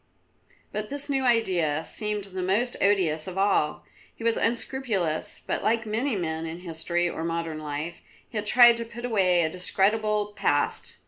But this new idea seemed the most odious of all. He was unscrupulous, but like many men in history or modern life, he had tried to put away a discreditable past.